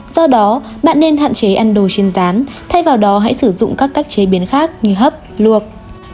do đó bạn nên hạn chế ăn đồ trên rán thay vào đó hãy sử dụng các cách chế biến khác như hấp luộc